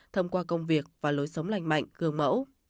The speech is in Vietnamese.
thông qua công việc và lối sống lành mạnh gương mẫu